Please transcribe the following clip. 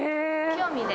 興味で。